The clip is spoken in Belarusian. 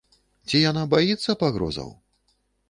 Ці яна баіцца пагрозаў?